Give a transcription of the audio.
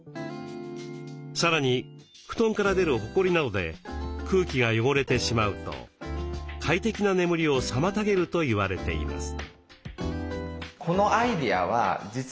さらに布団から出るホコリなどで空気が汚れてしまうと快適な眠りを妨げると言われています。